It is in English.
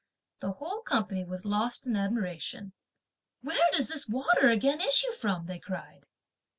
The whole company was lost in admiration. "Where does this water again issue from?" they cried.